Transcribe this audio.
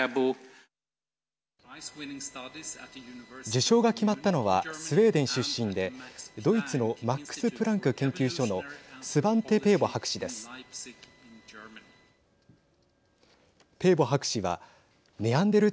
受賞が決まったのはスウェーデン出身でドイツのマックス・プランク研究所のスバンテ・ペーボ博士です。